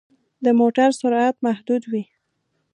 د موټر سرعت محدود وي.